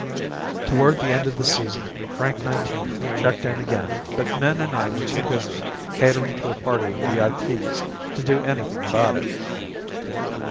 Toward the end of the season, Frank Nineteen checked in again but Min and I were too busy catering to a party of VIPs to do anything about it.